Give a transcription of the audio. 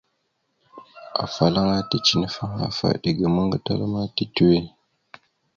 Afalaŋa ticənefaŋ afa eɗe ga ammaŋ gatala ma titəwe.